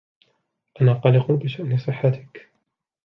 أنا قلق بشأن صحتك.